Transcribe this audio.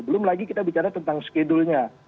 belum lagi kita bicara tentang schedulenya